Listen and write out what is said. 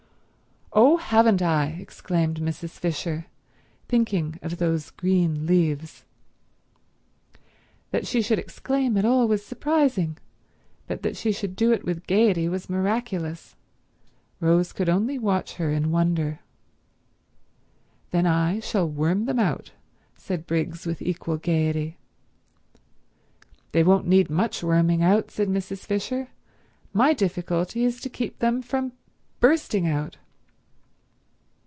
"Oh, haven't I!" exclaimed Mrs. Fisher, thinking of those green leaves. That she should exclaim at all was surprising, but that she should do it with gaiety was miraculous. Rose could only watch her in wonder. "Then I shall worm them out," said Briggs with equal gaiety. "They won't need much worming out," said Mrs. Fisher. "My difficulty is to keep them from bursting out."